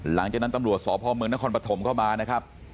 หลังจากนั้นตำรวจสพเมืองนครปฐมเข้ามานะครับ